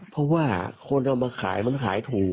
เพราะว่าคนเอามาขายมันขายถูก